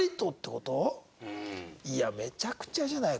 いやめちゃくちゃじゃない？